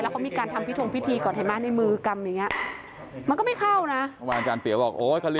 แล้วเขามีการทำพิทวงพิธีก่อนให้มาในมือกำอย่างนี้